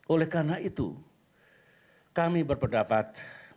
oleh karena itu kami berpendapat